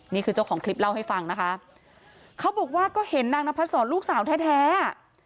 นี่คือเจ้าของคลิปเล่าให้ฟังนะคะเขาบอกว่าก็เห็นนางนพัดศรลูกสาวแท้แท้อ่ะ